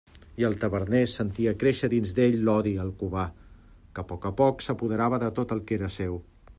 I el taverner sentia créixer dins d'ell l'odi al Cubà, que a poc a poc s'apoderava de tot el que era seu.